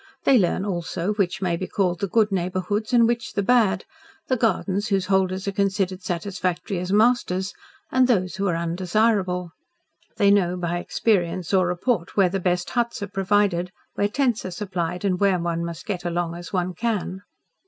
They learn also which may be called the good neighbourhoods and which the bad; the gardens whose holders are considered satisfactory as masters, and those who are undesirable. They know by experience or report where the best "huts" are provided, where tents are supplied, and where one must get along as one can.